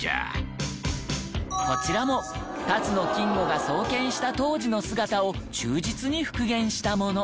こちらも辰野金吾が創建した当時の姿を忠実に復原したもの。